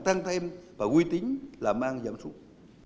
tăng thêm và quy tính là mang giảm xuống